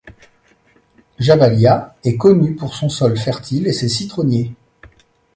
Jabalia est connu pour son sol fertile et ses citronniers.